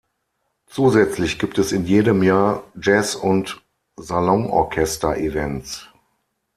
Zusätzlich gibt es in jedem Jahr Jazz- und Salonorchester-Events.